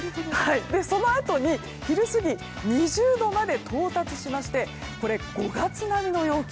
そのあとに、昼過ぎ２０度まで到達しましてこれ、５月並みの陽気。